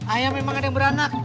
ayam ini makan yang beranak